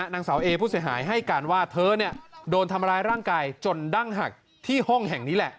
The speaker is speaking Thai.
นางสาวเอผู้เสียหายให้การว่าเธอโดนทำร้ายร่างกายจนดั้งหักที่ห้องแห่งนี้แหละ